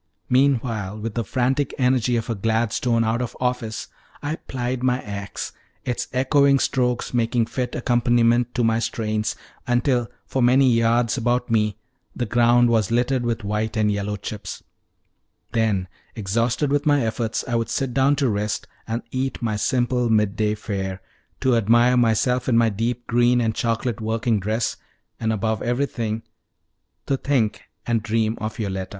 "_ Meanwhile, with the frantic energy of a Gladstone out of office, I plied my ax, its echoing strokes making fit accompaniment to my strains, until for many yards about me the ground was littered with white and yellow chips; then, exhausted with my efforts, I would sit down to rest and eat my simple midday fare, to admire myself in my deep green and chocolate working dress, and, above everything, to think and dream of Yoletta.